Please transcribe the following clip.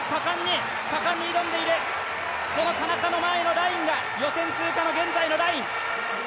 この田中の前のラインが予選通過の現在のライン。